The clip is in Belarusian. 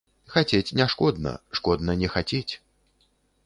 Хацець не шкодна, шкодна не хацець.